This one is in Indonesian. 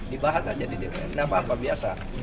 dibahas aja di dpr kenapa apa biasa